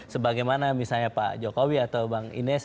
sebagaimana misalnya pak jokowi atau bang ines